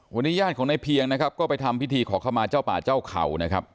วันนี้ญาติของในเพียงนะครับก็ไปทำพิธีขอเข้ามาเจ้าป่าเจ้าเขานะครับ